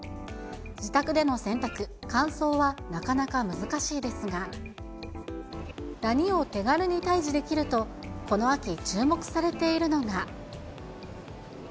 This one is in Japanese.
自宅での洗濯、乾燥はなかなか難しいですが、ダニを手軽に退治できると、この秋注目されているのが。